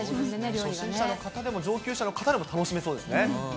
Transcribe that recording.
初心者の方も上級者の方も楽しめそうですね。